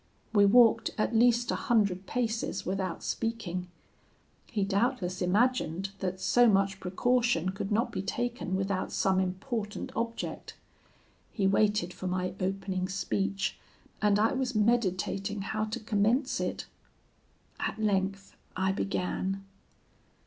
We walked at least a hundred paces without speaking. He doubtless imagined that so much precaution could not be taken without some important object. He waited for my opening speech, and I was meditating how to commence it. "At length I began.